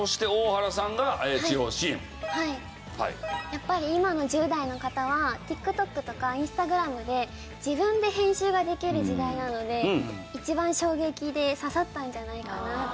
やっぱり今の１０代の方はＴｉｋＴｏｋとかＩｎｓｔａｇｒａｍで自分で編集ができる時代なので一番衝撃で刺さったんじゃないかなって。